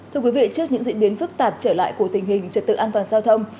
thưa quý vị trước những diễn biến phức tạp trở lại của tình hình trật tự an toàn giao thông